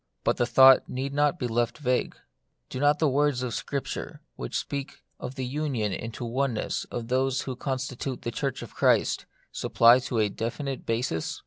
But the thought need not be left vague. Do not the words of Scripture, which speak of the union into oneness of those who constitute the Church of Christ, supply to it a definite basis